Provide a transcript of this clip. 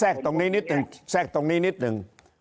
ตรงนี้นิดหนึ่งแทรกตรงนี้นิดนึง